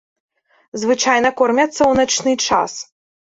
Звычайна кормяцца ў начны час.